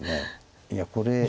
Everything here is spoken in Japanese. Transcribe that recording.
いやこれ。